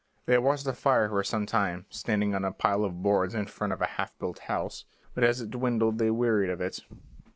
They watched the fire for some time, standing on a pile of boards in front of a half built house, but as it dwindled they wearied of it.